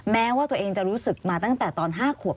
แม้ว่าตัวเองจะรู้สึกมาตั้งแต่ตอน๕ขวบ